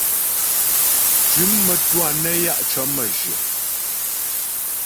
Tʉ̌m mə́twâ nə́ ya' cə̀ mə́jyə.